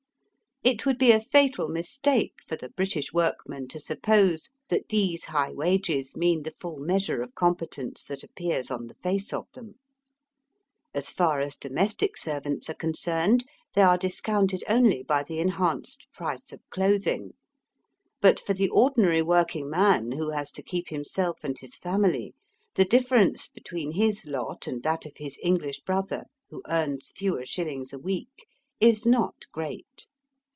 It would be a fatal mistake for the British workman to suppose that these high wages mean the full measure of competence that appears on the face of them. As far as domestic servants are concerned they are dis counted only by the enhanced price of clothing ; but for the ordinary working man who has to keep himself and his family the difference between his lot and that of his English brother who earns fewer shillings a week is not great.